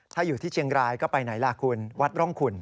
ถ้าอยู่ที่เชียงรายก็ไปไหนล่ะคุณวัดร่องขุน